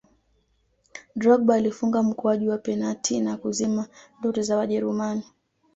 drogba alifunga mkwaju wa penati na kuzima ndoto za wajerumani